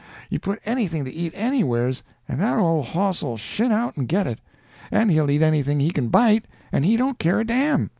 You put anything to eat anywheres, and that old hoss'll shin out and get it—and he'll eat anything he can bite, and he don't care a dam.